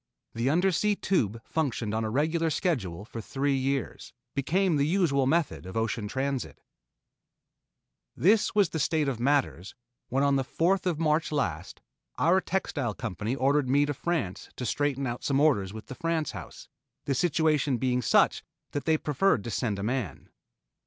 The Undersea Tube functioned on regular schedule for three years, became the usual method of ocean transit. This was the state of matters, when on the fourth of March last, our textile company ordered me to France to straighten out some orders with the France house, the situation being such that they preferred to send a man.